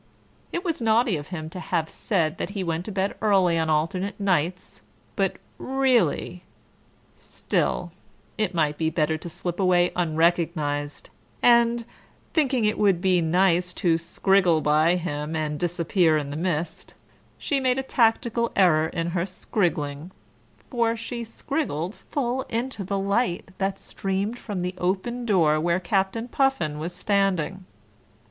It was naughty of him to have said that he went to bed early on alternate nights, but really ... still, it might be better to slip away unrecognized, and, thinking it would be nice to scriggle by him and disappear in the mist, she made a tactical error in her scriggling, for she scriggled full into the light that streamed from the open door where Captain Puffin was standing.